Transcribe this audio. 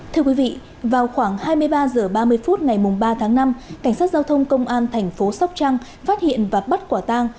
thưa quý vị vào khoảng hai mươi ba h ba mươi phút ngày ba tháng năm cảnh sát giao thông công an thành phố sóc trăng phát hiện và bắt quả tang